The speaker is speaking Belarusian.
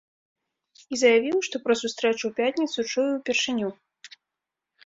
І заявіў, што пра сустрэчу ў пятніцу, чуе ў першыню.